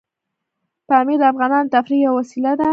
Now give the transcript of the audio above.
پامیر د افغانانو د تفریح یوه وسیله ده.